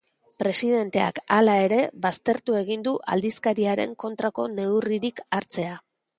Presidenteak, hala ere, baztertu egin du aldizkariaren kontrako neurririk hartzea.